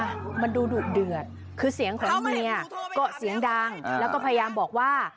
อ่ะมันดูดุเดือดคือเสียงของเมียก็เสียงดังแล้วก็พยายามบอกว่า